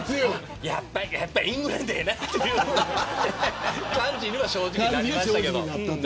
やっぱりイングランドやなっていう感じには正直なりましたけど。